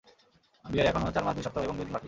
বিয়ের এখনো, চার মাস দুই সপ্তাহ এবং দুই দিন বাকী।